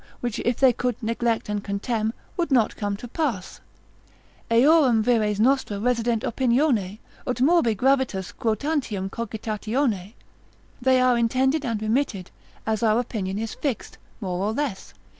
which if they could neglect and contemn, would not come to pass, Eorum vires nostra resident opinione, ut morbi gravitas ?grotantium cogitatione, they are intended and remitted, as our opinion is fixed, more or less.